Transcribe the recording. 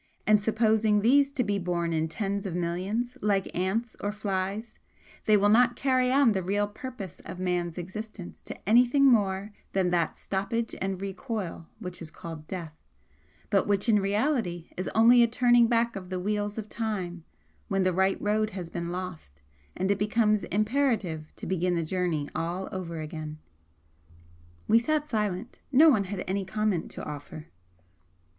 And supposing these to be born in tens of millions, like ants or flies, they will not carry on the real purpose of man's existence to anything more than that stoppage and recoil which is called Death, but which in reality is only a turning back of the wheels of time when the right road has been lost and it becomes imperative to begin the journey all over again." We sat silent; no one had any comment to offer.